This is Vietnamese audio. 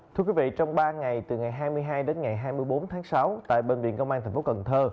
thưa quý vị trong ba ngày từ ngày hai mươi hai đến ngày hai mươi bốn tháng sáu tại bệnh viện công an thành phố cần thơ